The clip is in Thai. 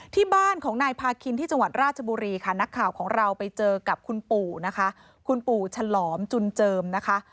ที่บ้านของนายพาคินที่จังหวัดราชบุรีค่ะนักข่าวของเราไปเจอกับคุณปู่นะคะคุณปู่ฉลอมจุนเจิมนะคะ